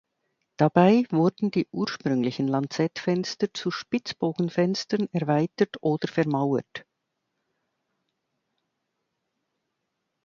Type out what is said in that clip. Dabei wurden die ursprünglichen Lanzettfenster zu Spitzbogenfenstern erweitert oder vermauert.